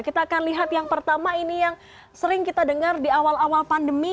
kita akan lihat yang pertama ini yang sering kita dengar di awal awal pandemi